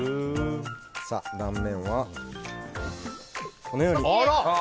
断面はこのように。